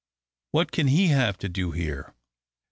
What can he have to do here?"